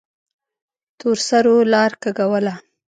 تورسرو لار کږوله.